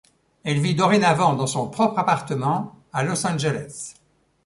Elle vit dorénavant dans son propre appartement à Los Angeles.